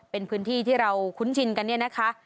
เป็นพื้นที่ที่เราคุ้นชินกันเนี่ยนะคะ